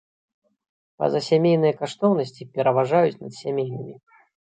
Пазасямейныя каштоўнасці пераважаюць над сямейнымі.